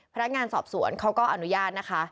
พนักงานสอบสวนเขาก็อนุญาตนะคะ